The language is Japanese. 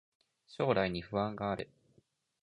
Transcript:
将来に不安がある